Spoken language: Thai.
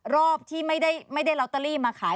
รอบที่ไม่ได้ลอตเตอรี่มาขาย